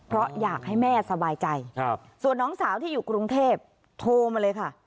เพราะอยากให้แม่สบายใจส่วนน้องสาวที่อยู่กรุงเทพโทรมาเลยค่ะ